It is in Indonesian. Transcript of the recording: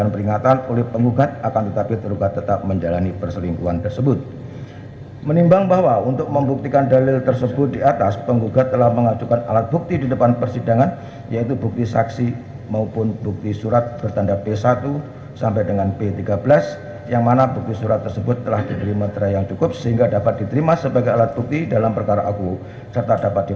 pertama penggugat akan menerjakan waktu yang cukup untuk menerjakan si anak anak tersebut yang telah menjadi ilustrasi